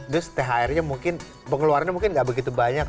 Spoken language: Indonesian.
terus thrnya mungkin pengeluarannya nggak begitu banyak